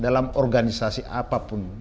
dalam organisasi apapun